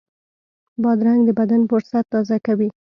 بادرنګ د بدن فُرصت تازه کوي.